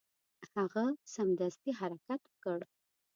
هغه سمدستي حرکت وکړ.